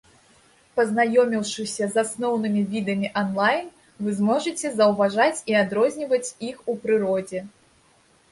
Пазнаёміўшыся з асноўнымі відамі анлайн, вы зможаце заўважаць і адрозніваць іх у прыродзе.